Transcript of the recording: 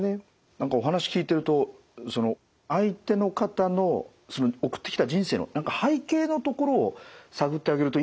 何かお話聞いてると相手の方の送ってきた人生の何か背景のところを探ってあげるといいのかなという。